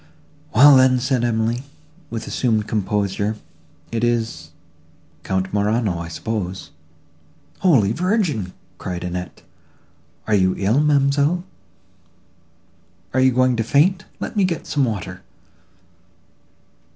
"Well, then," said Emily, with assumed composure, "it is—Count Morano, I suppose." "Holy Virgin!" cried Annette, "are you ill, ma'amselle? you are going to faint! let me get some water."